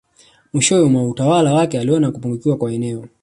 Mwishowe mwa utawala wake aliona kupungukiwa kwa eneo